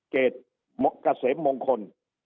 เกษมงคล